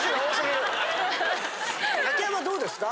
竹山どうですか？